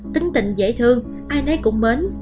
tính tình dễ thương ai nấy cũng mến